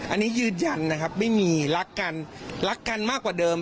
อันนี้ยืนยันนะครับไม่มีรักกันรักกันมากกว่าเดิม